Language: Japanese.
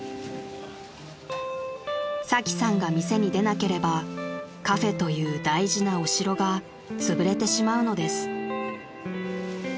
［サキさんが店に出なければカフェという大事なお城がつぶれてしまうのです］